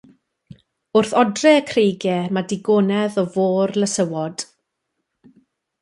Wrth odre y creigiau mae digonedd o fôr lysywod.